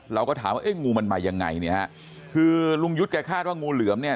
เราก็ถามว่าเอ๊ะงูมันมายังไงเนี่ยฮะคือลุงยุทธ์แกคาดว่างูเหลือมเนี่ย